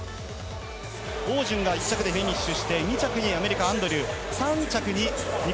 王遵が１着でフィニッシュして、２着にアメリカ、アンドリュー。